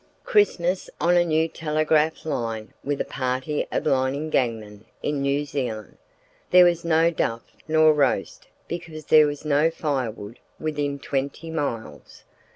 Christmas on a new telegraph line with a party of lining gangmen in New Zealand. There was no duff nor roast because there was no firewood within twenty miles.